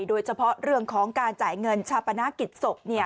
โดยเฉพาะเรื่องของการจ่ายเงินชาปนากิจศพ